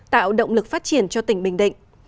tạo động lực phát triển cho tỉnh bình định